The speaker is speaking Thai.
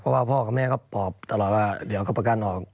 เพราะว่าพ่อกับแม่ก็ปอบตลอดว่าเดี๋ยวเขาประกันออก